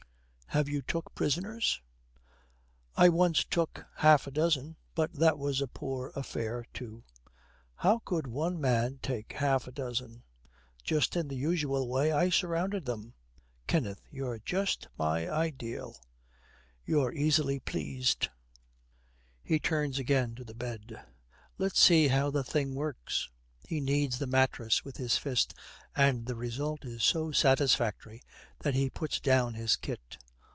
'Have you took prisoners?' 'I once took half a dozen, but that was a poor affair too.' 'How could one man take half a dozen?' 'Just in the usual way. I surrounded them.' 'Kenneth, you're just my ideal.' 'You're easily pleased.' He turns again to the bed, 'Let's see how the thing works.' He kneads the mattress with his fist, and the result is so satisfactory that he puts down his kit.